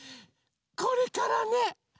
これからね